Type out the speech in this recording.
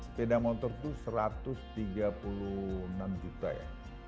sepeda motor itu satu ratus tiga puluh enam juta ya